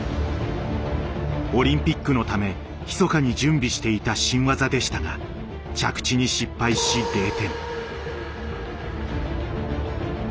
オリンピックのためひそかに準備していた新技でしたが着地に失敗し０点。